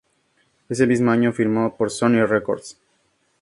Ese mismo año, firmó por Sony Records.